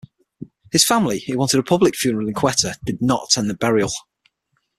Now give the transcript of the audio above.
His family, who wanted a public funeral in Quetta, did not attend the burial.